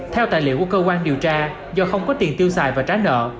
theo tài liệu của cơ quan điều tra do không có tiền tiêu xài và trả nợ